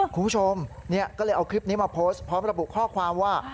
คุณผู้ชมก็เลยเอาคลิปนี้มาโพสต์พร้อมระบุข้อความว่า